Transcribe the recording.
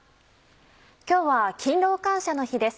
今日は勤労感謝の日です。